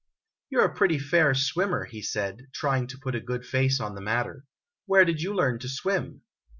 "You 're a pretty fair swimmer," he said, trying to put a good face on the matter. "Where did you learn to swim?'